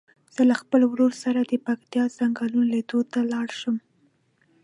زه له خپل ورور سره د پکتیا څنګلونو لیدلو ته لاړ شم.